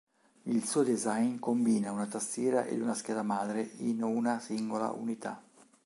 Il suo design combina una tastiera ed una scheda madre in una singola unità.